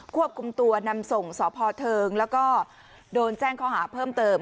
ควบคุมตัวนำส่งสพเทิงแล้วก็โดนแจ้งข้อหาเพิ่มเติม